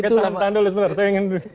saya tahan tahan dulu sebentar saya ingin